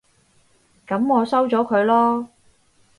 噉我收咗佢囉